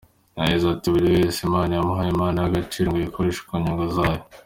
Yagize ati “Buri wese Imana yamuhaye impano y’agaciro ngo ayikoreshe mu nyungu zayo.